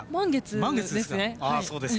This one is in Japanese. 満月ですね。